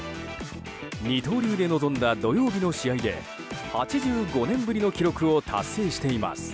二刀流で臨んだ土曜日の試合で８５年ぶりの記録を達成しています。